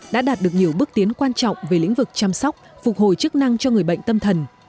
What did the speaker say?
đã đạt được nhiều bước tiến quan trọng về lĩnh vực chăm sóc phục hồi chức năng cho người bệnh tâm thần